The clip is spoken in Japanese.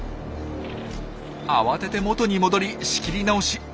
慌てて元に戻り仕切り直し。